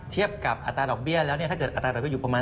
เทียบกับอัตราดอกเบี้ยแล้วเนี่ยถ้าเกิดอัตราดอกเบีอยู่ประมาณ